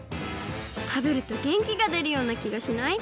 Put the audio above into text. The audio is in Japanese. たべるとげんきがでるようなきがしない？